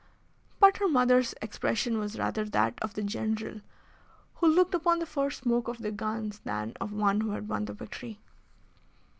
But her mother's expression was rather that of the general who looked upon the first smoke of the guns than of one who had won the victory.